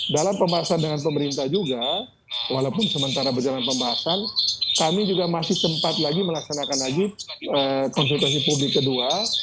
dalam pembahasan dengan pemerintah juga walaupun sementara berjalan pembahasan kami juga masih sempat lagi melaksanakan lagi konsultasi publik kedua